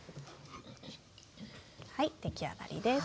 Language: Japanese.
はい出来上がりです。